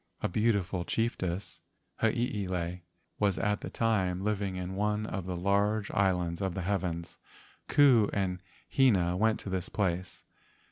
A beautiful chiefess, Hiilei, was at that time living in one of the large islands of the heavens. Ku and Hina went to this place.